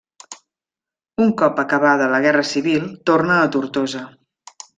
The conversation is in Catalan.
Un cop acabada la Guerra Civil, torna a Tortosa.